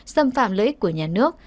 xâm phạm lợi ích của nhà nước